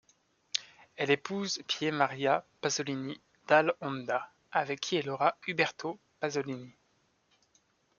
Elle épouse Pier Maria Pasolini dall'Onda avec qui elle aura Uberto Pasolini.